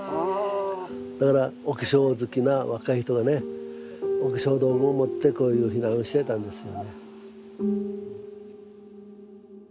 だからお化粧好きな若い人がねお化粧道具を持ってこういう避難してたんですよね。